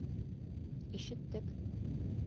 Ишеттек!